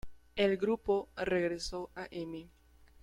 El grupo regresó a "M!